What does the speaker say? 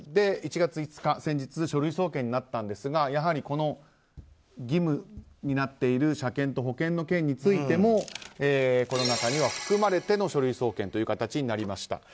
１月５日、先日書類送検となったんですがやはり、義務になっている車検と保険の件についてもこの中に含まれての書類送検という形になりました。